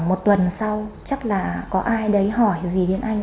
mà tùy và anh ấy đem bị bán